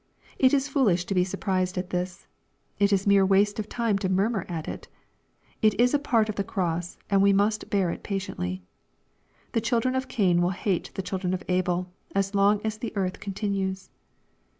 It is foolish to be surprised at this. It is mere waste of time to murmur at it. It is a part of the cross, and we must bear it patiently. The children of Cain will hate the children of Abel, as long as the earth continues.